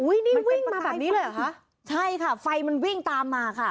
นี่วิ่งมาแบบนี้เลยเหรอคะใช่ค่ะไฟมันวิ่งตามมาค่ะ